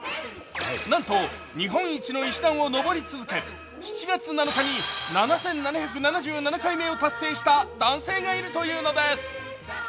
なんと、日本一の石段を上り続け７月７日に７７７７回目を達成した男性がいるというのです。